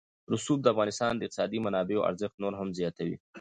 رسوب د افغانستان د اقتصادي منابعو ارزښت نور هم زیاتوي.